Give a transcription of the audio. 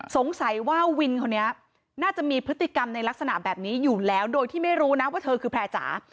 สงสัยว่าวินคนนี้น่าจะมีพฤติกรรมในลักษณะแบบนี้อยู่แล้วโดยที่ไม่รู้นะว่าเธอคือแพร่จ๋า